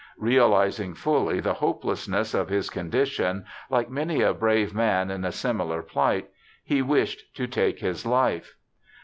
Realizing fully the hopelessness of his condition, like many a brave man in a similar plight, he wished to take his life.